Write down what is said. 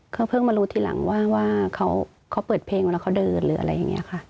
เขาเพิ่งมารู้ทีหลังว่าเขาเปิดเพลงเวลาเขาเดินหรืออะไรอย่างนี้ค่ะ